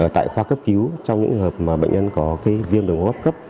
tại khoa cấp cứu trong những hợp mà bệnh nhân có viêm đường hô hấp cấp